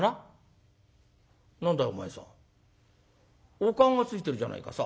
お燗がついてるじゃないかさ。